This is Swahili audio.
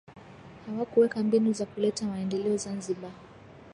Hawakuweka mbinu za kuleta maendeleo Zanzibar